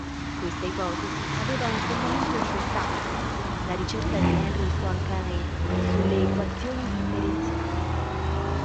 Questa ipotesi aveva un fondamento importante: la ricerca di Henri Poincaré sulle equazioni differenziali.